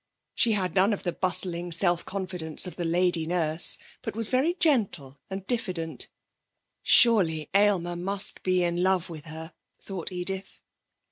She had none of the bustling self confidence of the lady nurse, but was very gentle and diffident. Surely Aylmer must be in love with her, thought Edith.